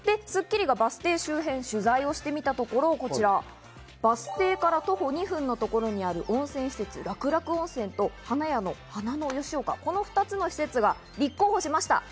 『スッキリ』がバス停周辺を取材してみたところ、こちら、バス停から徒歩２分のところにある温泉施設、楽々温泉と花屋の花のよしおか、この２つの施設が立候補しました。